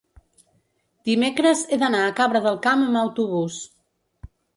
dimecres he d'anar a Cabra del Camp amb autobús.